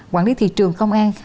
quản lý thị trường công an